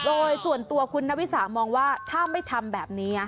โดยส่วนตัวคุณนวิสามองว่าถ้าไม่ทำแบบนี้